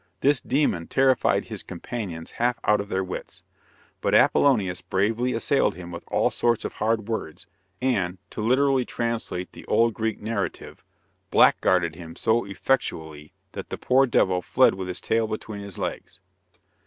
This demon terrified his companions half out of their wits, but Apollonius bravely assailed him with all sorts of hard words, and, to literally translate the old Greek narrative, "blackguarded" him so effectually that the poor devil fled with his tail between his legs.